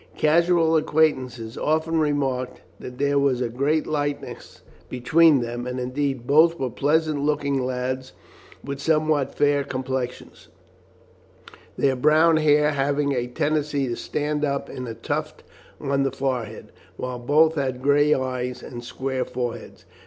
Casual acquaintances often remarked that there was a great likeness between them; and, indeed, both were pleasant looking lads with somewhat fair complexions, their brown hair having a tendency to stand up in a tuft on the forehead, while both had grey eyes, and square foreheads.